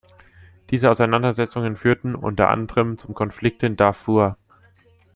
Diese Auseinandersetzungen führten, unter anderem, zum Konflikt in Darfur.